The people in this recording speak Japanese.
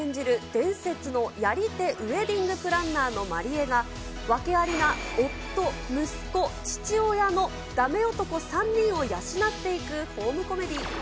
伝説のやり手ウエディングプランナーの万里江が、訳ありな夫、息子、父親のだめ男３人を養っていくホームコメディー。